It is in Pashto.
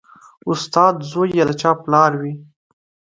استاد زوی یا د چا پلار وي